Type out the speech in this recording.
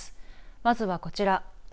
まずはこちら。